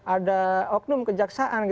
ada oknum kejaksaan